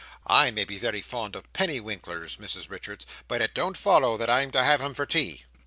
"I may be very fond of pennywinkles, Mrs Richards, but it don't follow that I'm to have 'em for tea."